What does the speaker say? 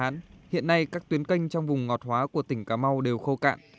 chủ yếu là các tuyến canh trong vùng ngọt hóa của tỉnh cà mau đều khâu cạn